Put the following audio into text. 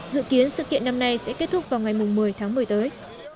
dự kiến sự kiện năm nay sẽ kết thúc vào ngày một mươi tháng một mươi tới